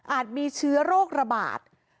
มีเชื้อโรคระบาด